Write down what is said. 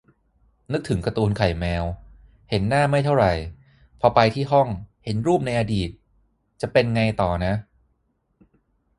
นึกถึงการ์ตูนไข่แมว เห็นหน้าไม่เท่าไหร่ พอไปที่ห้อง เห็นรูปในอดีต จะเป็นไงต่อนะ